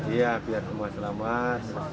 iya biar semua selamat